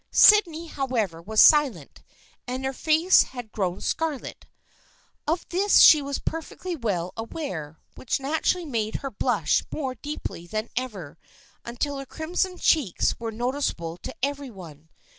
Sydney, however, was silent, and her face had grown scarlet. Of this she was perfectly well aware, which naturally made her blush more deeply than ever, until her crimson cheeks were noticeable to every one.